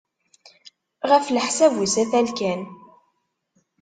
Ɣef leḥsab usatal kan.